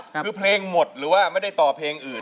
คือเพลงหมดหรือว่าไม่ได้ต่อเพลงอื่น